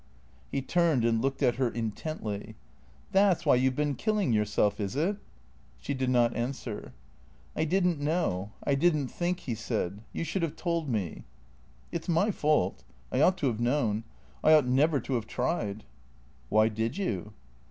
He turned and looked at her intently. "That's why you've been killing yourself, is it?" She did not answer. "I didn't know. I didn't think," he said. "You should have told me." " It 's my fault. I ought to have known. I ought never to have tried." " Why did you